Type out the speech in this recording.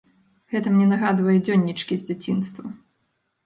Гэта мне нагадвае дзённічкі з дзяцінства.